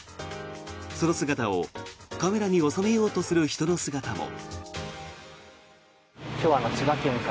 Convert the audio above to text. その姿をカメラに収めようとする人の姿も。